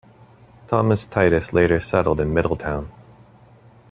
Thomas Titus later settled in Middletown.